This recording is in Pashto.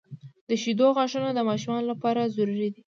• د شیدو غاښونه د ماشومانو لپاره ضروري دي.